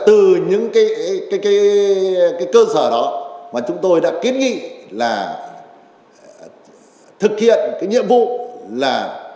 từ những cái cơ sở đó mà chúng tôi đã kiến nghị là thực hiện cái nhiệm vụ là